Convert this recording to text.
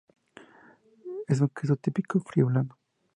Es un queso típico friulano.